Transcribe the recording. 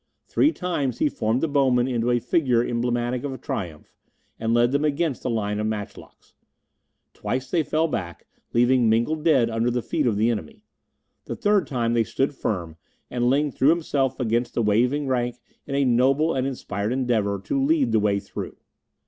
Three times he formed the bowmen into a figure emblematic of triumph, and led them against the line of matchlocks. Twice they fell back, leaving mingled dead under the feet of the enemy. The third time they stood firm, and Ling threw himself against the waving rank in a noble and inspired endeavour to lead the way through.